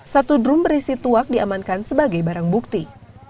satu drum berisi tuak diamankan sebagai barang bukti